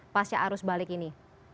pasca arus balik ini